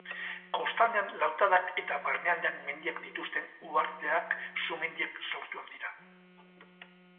Kostaldean lautadak eta barnealdean mendiak dituzten uharteak sumendiek sortuak dira.